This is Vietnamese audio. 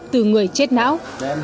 từ người chết não